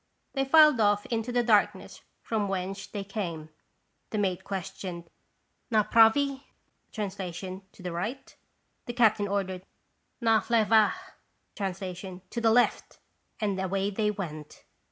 They filed off into the darkness from whence they came. The mate questioned: "Napravi?" (to the right ?) The captain ordered :*( Na leva /'' (to the left !) and away they went.